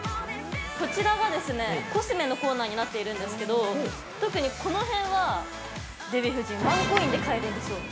◆こちらが、コスメのコーナーになっているんですけど特に、この辺は、デヴィ夫人ワンコインで買えるんですよ。